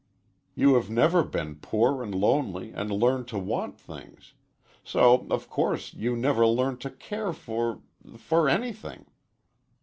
You have never been poor and lonely and learned to want things. So, of course, you never learned to care for for anything."